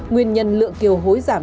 nguyên nhân lượng kiều hối giảm